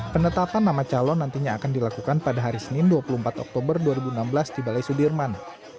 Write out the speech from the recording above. penetapan nama calon nantinya akan dilakukan pada hari senin dua puluh empat oktober dua ribu enam belas di balai sudirman